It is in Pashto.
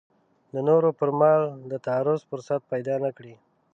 د نورو پر مال د تعرض فرصت پیدا نه کړي.